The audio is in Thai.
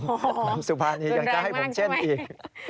น้ำสุภานียังจะให้ผมเช่นอีก